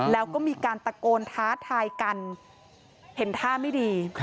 แล้วก็มีการตะโกนท้าทายกันเห็นท่าไม่ดี